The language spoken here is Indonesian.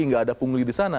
nggak ada pungli di sana